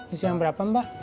isi yang berapa mbak